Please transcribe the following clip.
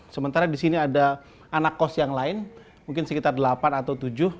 sementara di sini ada anak kos yang lain mungkin sekitar delapan atau tujuh